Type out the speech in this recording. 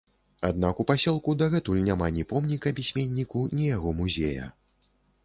Аднак у пасёлку дагэтуль няма ні помніка пісьменніку, ні яго музея.